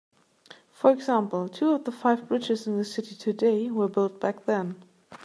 For example, two of the five bridges in the city today were built back then.